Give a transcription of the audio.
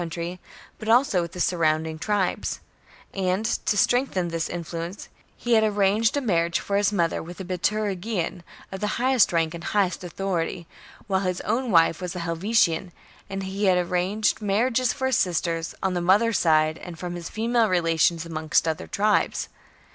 country, but also with the surrounding tribes ; and, to strengthen this influence, he had arranged a marriage for his mother with a Biturigian of the highest rank and the greatest authority, while his own wife was a Helvetian, and he had arranged marriages for his sister on the mother's side and his female relations among other tribes.